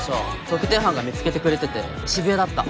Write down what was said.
特定班が見つけてくれてて渋谷だった。